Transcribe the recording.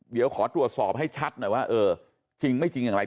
เดี๋ยวขอตรวจสอบให้ชัดหน่อยว่าเออจริงไม่จริงอย่างไร